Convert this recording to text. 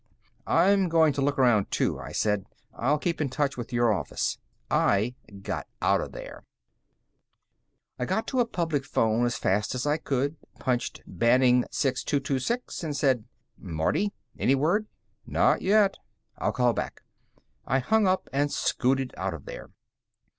"I'm going to look around, too," I said. "I'll keep in touch with your office." I got out of there. I got to a public phone as fast as I could, punched BANning 6226, and said: "Marty? Any word?" "Not yet." "I'll call back." I hung up and scooted out of there.